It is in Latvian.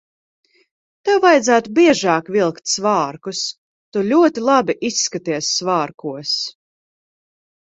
Tev vajadzētu biežāk vilkt svārkus. Tu ļoti labi izskaties svārkos.